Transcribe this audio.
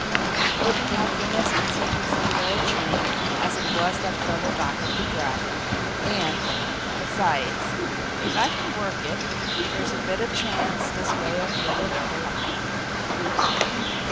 "It wouldn't have been as easy to fool old Chang as it was that fellow back at the Dragon and, besides, if I can work it, there's a better chance this way of getting out alive."